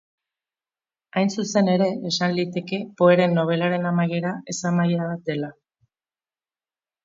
Hain zuzen ere esan liteke Poeren nobelaren amaiera ez-amaiera bat dela.